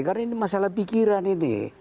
karena ini masalah pikiran ini